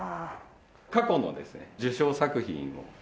過去のですね受賞作品を。